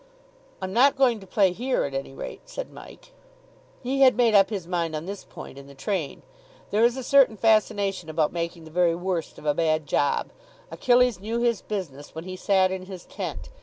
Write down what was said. "I'm not going to play here, at any rate," said Mike. He had made up his mind on this point in the train. There is a certain fascination about making the very worst of a bad job. Achilles knew his business when he sat in his tent.